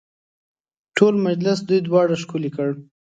ټول مجلس دوی دواړو ښکلی کړ.